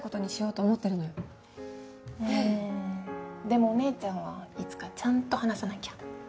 でもお姉ちゃんはいつかちゃんと話さなきゃ。